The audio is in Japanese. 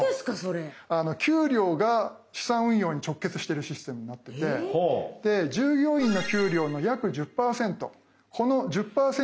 給料が資産運用に直結してるシステムになってて従業員の給料の約１０％この１０％がですね